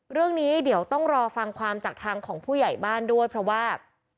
เรื่องนี้เดี๋ยวต้องรอฟังความจากทางของผู้ใหญ่บ้านด้วยเพราะว่า